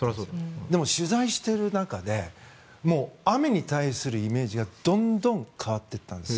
でも、取材している中で雨に対するイメージがどんどん変わっていったんです。